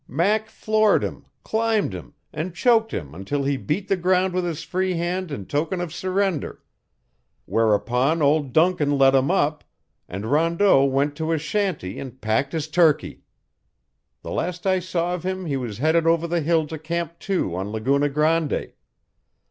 Mac floored him, climbed him, and choked him until he beat the ground with his free hand in token of surrender; whereupon old Duncan let him up, and Rondeau went to his shanty and packed his turkey. The last I saw of him he was headed over the hill to Camp Two on Laguna Grande.